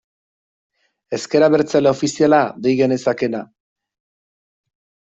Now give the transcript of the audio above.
Ezker Abertzale ofiziala dei genezakeena.